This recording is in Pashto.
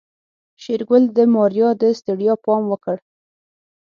شېرګل د ماريا د ستړيا پام وکړ.